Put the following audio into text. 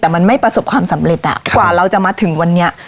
แต่มันไม่ประสบความสำเร็จกว่าเราจะมาถึงวันนี้